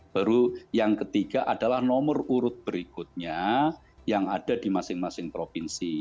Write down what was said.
baru yang ketiga adalah nomor urut berikutnya yang ada di masing masing provinsi